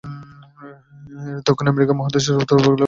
এরা দক্ষিণ আমেরিকা মহাদেশের উত্তর উপকূল অঞ্চলে এখনও বাস করে।